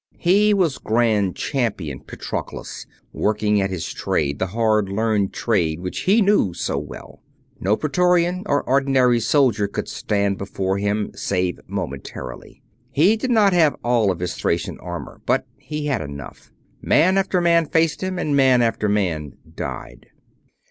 He was Grand Champion Patroclus, working at his trade; the hard learned trade which he knew so well. No Praetorian or ordinary soldier could stand before him save momentarily. He did not have all of his Thracian armor, but he had enough. Man after man faced him, and man after man died.